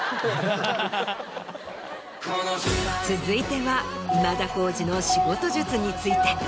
続いては今田耕司の仕事術について。